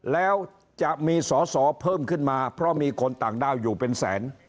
แล้วจะมีสอสอเพิ่มขึ้นมาเพราะมีคนต่างด้าวอยู่เป็นแสน